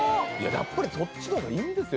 やっぱりそっちのほうがいいんですよ